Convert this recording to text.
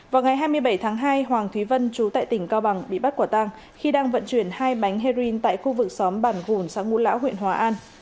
vào ngày hai mươi bảy tháng hai hoàng thúy vân chú tại tỉnh cao bằng bị bắt quả tang khi đang vận chuyển hai bánh heroin tại khu vực xóm bản vùng sáng ngũ lão huyện hòa an